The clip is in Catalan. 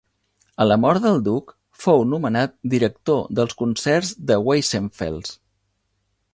A la mort del duc, fou nomenat director dels concerts de Weissenfels.